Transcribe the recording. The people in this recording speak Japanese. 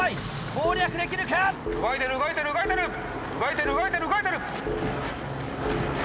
攻略できるか⁉動いてる動いてる動いてる動いてる動いてる動いてる！